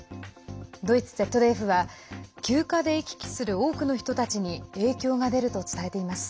ドイツＺＤＦは休暇で行き来する多くの人たちに影響が出ると伝えています。